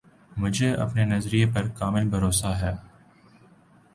مجھے اپنے نظریہ پر کامل بھروسہ ہے